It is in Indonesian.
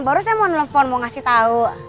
baru saya mau nelfon mau ngasih tahu